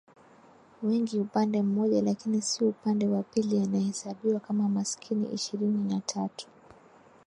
wengi upande mmoja lakini si upande wa pili anahesabiwa kama maskini Ishirini na tatu